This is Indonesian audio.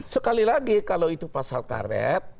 sekali lagi kalau itu pasal karet